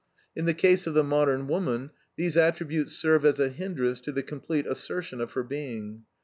In the case of the modern woman, these attributes serve as a hindrance to the complete assertion of her being.